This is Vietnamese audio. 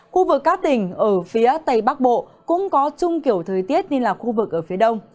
khu vực các tỉnh ở phía tây bắc bộ cũng có chung kiểu thời tiết như là khu vực ở phía đông